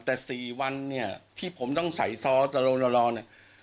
แต่๔วันที่ผมต้องใส่ซ้อสะโรน